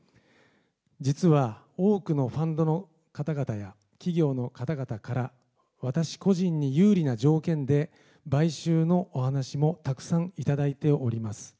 実は多くのファンドの方々や企業の方々から、私個人に有利な条件で買収のお話もたくさん頂いております。